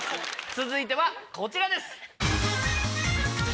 続いてはこちらです。